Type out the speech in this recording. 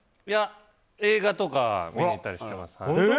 いや、映画とか見に行ったりしています。